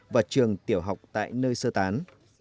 và trường tiểu học tại nơi sơ tán